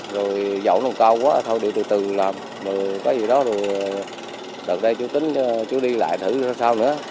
rồi giọng nó cao quá thôi đi từ từ làm rồi có gì đó rồi đợt đây chú tính chú đi lại thử sao nữa